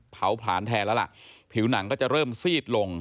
ผลาญแทนแล้วล่ะผิวหนังก็จะเริ่มซีดลง